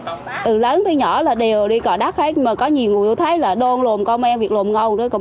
từ lớn tới nhỏ là đều đi có đất hay mà có nhiều người tôi thấy là đôn lồn con em việc lồn ngầu